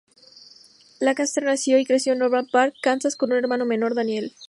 Lancaster nació y creció en Overland Park, Kansas, con un hermano menor, Daniel.